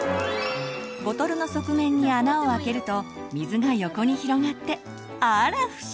ボトルの側面に穴を開けると水が横に広がってあら不思議！